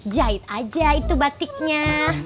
jahit aja itu batiknya